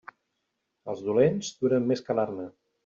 Els dolents duren més que l'arna.